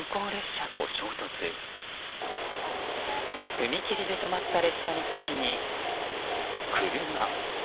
踏切で止まった列車の先に車。